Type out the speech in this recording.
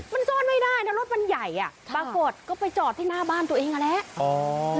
มันซ่อนไม่ได้นะรถมันใหญ่อ่ะปรากฏก็ไปจอดที่หน้าบ้านตัวเองนั่นแหละ